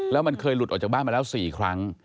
แล้วมันเคยหลุดออกจากบ้านมาแล้ว๔ครั้ง